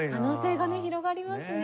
可能性がね広がりますね。